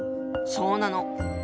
そうなの。